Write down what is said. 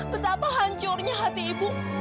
betapa hancurnya hati ibu